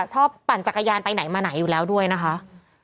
ปั่นจักรยานไปไหนมาไหนอยู่แล้วด้วยนะคะ